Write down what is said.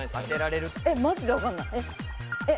マジでわかんない。